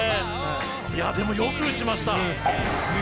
でも、よく打ちました。